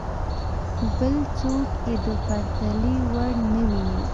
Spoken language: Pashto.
بل څوک یې د پرتلې وړ نه ویني.